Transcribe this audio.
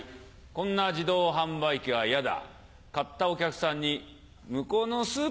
こんな自動販売機は嫌だ。